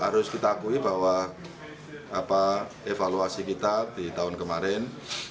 harus kita akui bahwa evaluasi kita di tahun kemarin